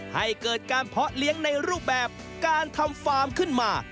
ให้เกิดการเพาะเลี้ยงในรูปแบบการทำฟาร์มขึ้นมา